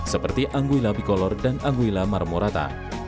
seperti anguila bikolor dan anguila marmurata